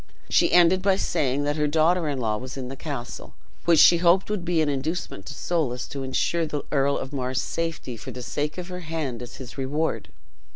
She ended by saying that her daughter in law was in the castle, which she hoped would be an inducement to Soulis to insure the Earl of Mar's safety for the sake of her hand as his reward.